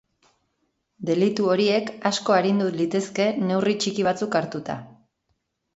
Delitu horiek asko arindu litezke neurri txiki batzuk hartuta.